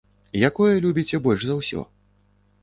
Якое любіце больш за ўсё?